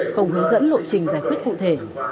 không hướng dẫn đội trình giải quyết cụ thể